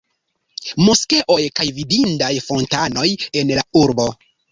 Moskeoj kaj vidindaj fontanoj en la urbo.